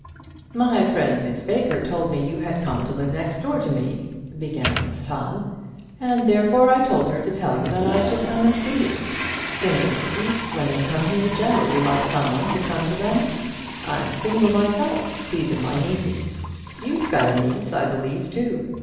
"My friend, Miss Baker, told me you had come to live next door to me," began Miss Todd, "and therefore I told her to tell you that I should come and see you. Single ladies, when they come here, generally like some one to come to them. I'm single myself, and these are my nieces. You've got a niece, I believe, too.